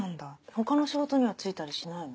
他の仕事には就いたりしないの？